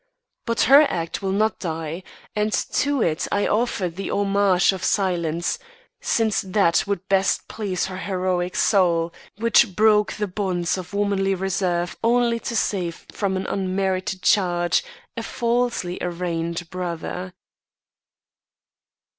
But her act will not die, and to it I now offer the homage of silence, since that would best please her heroic soul, which broke the bonds of womanly reserve only to save from an unmerited charge a falsely arraigned brother."